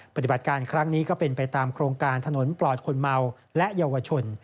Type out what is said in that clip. ปฏิบัติการครั้งนี้ก็เป็นไปตามโครงการถนนปลอดคนเมาและเยาวชน